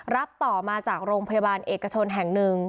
รับต่อมาจากโรงพยาบาลเอกชนแห่งหนึ่ง